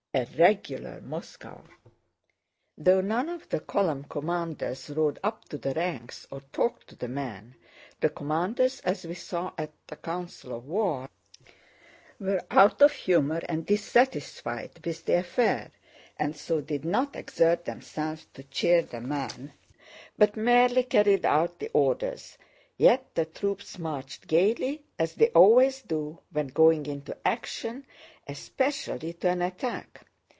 A regular Moscow!" Though none of the column commanders rode up to the ranks or talked to the men (the commanders, as we saw at the council of war, were out of humor and dissatisfied with the affair, and so did not exert themselves to cheer the men but merely carried out the orders), yet the troops marched gaily, as they always do when going into action, especially to an attack.